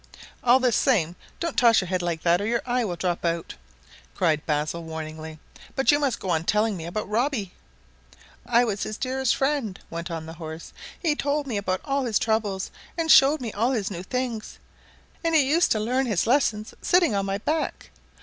"All the same, don't toss your head like that, or your eye will drop out again," cried Basil warningly. "But you may go on telling me about Robbie." "I was his dearest friend," went on the horse. "He told me all about his troubles, and showed me all his new things; and he used to learn his lessons sitting on my back.